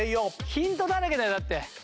ヒントだらけだよだって。